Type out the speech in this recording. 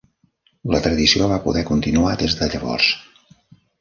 La tradició va poder continuar des de llavors.